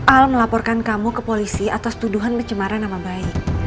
al melaporkan kamu ke polisi atas tuduhan pencemaran nama baik